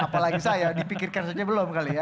apalagi saya dipikirkan saja belum kali ya